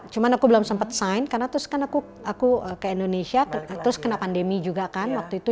cuma aku belum sempat sign karena terus kan aku ke indonesia terus kena pandemi juga kan waktu itu